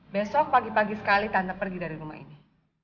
besok pagi pagi sekali tanda pergi dari rumah ini